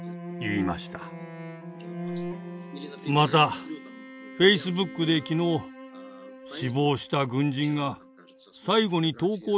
またフェイスブックで昨日死亡した軍人が最後に投稿した写真を見ました。